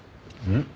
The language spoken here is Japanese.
ん？